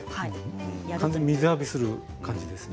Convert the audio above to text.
完全に水浴びさせる感じですね。